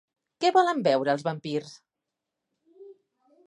Què volen beure els vampirs?